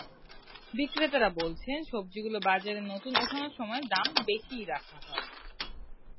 বিক্রেতারা বলছেন, সবজিগুলো বাজারে নতুন ওঠানোর সময় দাম বেশিই রাখা হয়।